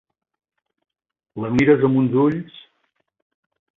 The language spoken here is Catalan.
La mires amb uns ulls!